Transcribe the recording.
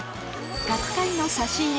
各界の差し入れ